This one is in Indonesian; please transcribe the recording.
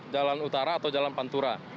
jalan utara atau jalan pantura